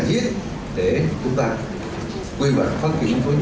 với tổng giám đốc việt nam